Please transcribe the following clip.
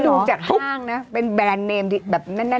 ดูจากห้างนะเป็นแบรนด์เนมที่แบบแน่น